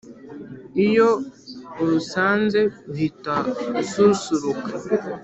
Iyo urusanze uhita ususuruka